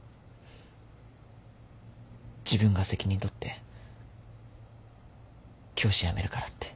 自分が責任取って教師辞めるからって。